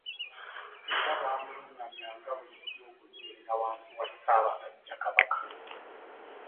Era baamulungamyanga bulijjo okunywerera wansi wa Ssaabasajja Kabaka.